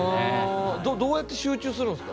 どうやって集中するんですか？